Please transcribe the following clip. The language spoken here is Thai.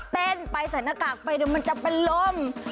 เต้นไปใส่หน้ากากไปเดี๋ยวมันจะเป็นลม